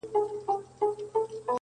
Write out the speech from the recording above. o هغه نن بيا د چا د ياد گاونډى.